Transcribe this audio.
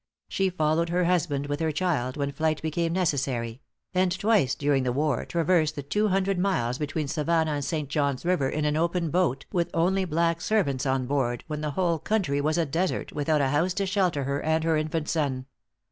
She followed her husband with her child, when flight became necessary; and twice during the war traversed the two hundred miles between Savannah and St. John's River in an open boat, with only black servants on board, when the whole country was a desert, without a house to shelter her and her infant son.